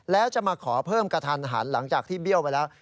แล้วจะมาขอเพิ่มกระทันหันหลังจากที่เบี้ยวไปแล้ว